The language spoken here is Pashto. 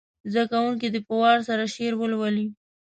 زده کوونکي دې په وار سره شعر ولولي.